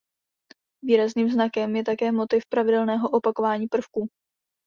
Výrazným znakem je také motiv pravidelného opakování prvků.